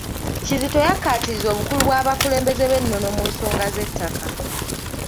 Kizito yakkaatirizza obukulu bw'abakulembeze b’ennono mu nsonga z’ettaka.